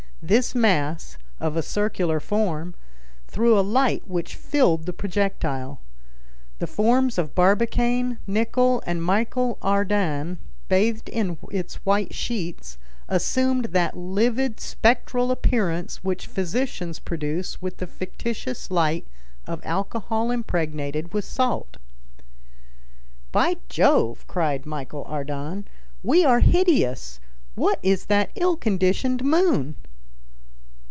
This mass, of a circular form, threw a light which filled the projectile. The forms of Barbicane, Nicholl, and Michel Ardan, bathed in its white sheets, assumed that livid spectral appearance which physicians produce with the fictitious light of alcohol impregnated with salt. "By Jove!" cried Michel Ardan, "we are hideous. What is that ill conditioned moon?"